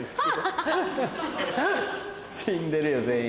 死んでるよ全員。